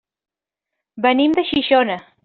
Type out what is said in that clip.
Venim de Xixona.